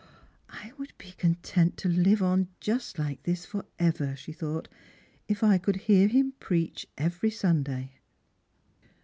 " I would be content to live on just like this for ever," she thought, " if I could hear him preach every Sunday."